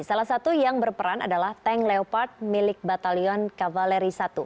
salah satu yang berperan adalah tank leopard milik batalion kavaleri satu